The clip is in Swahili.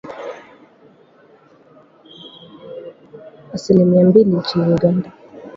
Asilimia mbili nchini Uganda